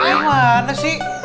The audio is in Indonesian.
eh gimana sih